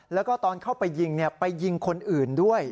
แล้วก็ตอนเข้าไปยิงไปยิงคนอื่นด้วย